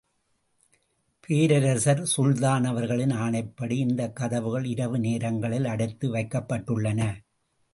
பேரரசர் சுல்தான் அவர்களின் ஆணைப்படி இந்தக் கதவுகள் இரவு நேரங்களில் அடைத்து வைக்கப்பட்டுள்ளன.